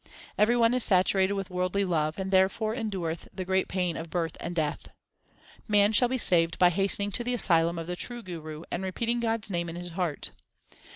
Every one is saturated with worldly love, and therefore endureth the great pain of birth and death. Man shall be saved by hastening to the asylum of the true Guru and repeating God s name in his heart.